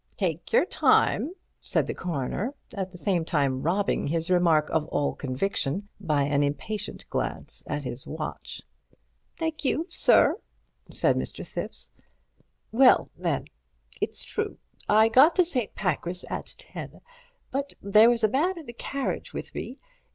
"Take your time," said the Coroner, at the same time robbing his remark of all conviction by an impatient glance at his watch. "Thank you, sir," said Mr. Thipps. "Well, then, it's true I got to St. Pancras at ten. But there was a man in the carriage with me.